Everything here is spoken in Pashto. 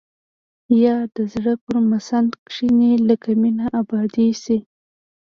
يا د زړه پر مسند کښيني لکه مينه ابدي شي.